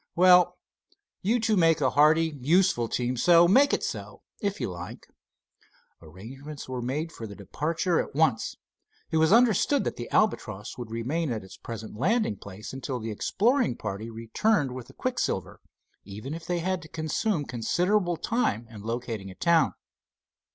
"Well, you two make a hardy, useful team, so make it so, if you like." Arrangements were made for the departure at once. It was understood that the Albatross would remain at its present landing place until the exploring party returned with the quicksilver, even if they had to consume considerable time in locating a town.